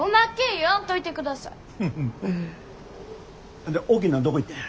ほんで大きいのはどこ行ったんや？